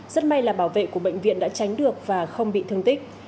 rất may là bảo vệ của bệnh viện đã tránh được và không bị thương tích